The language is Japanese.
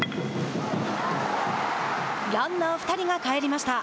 ランナー２人が帰りました。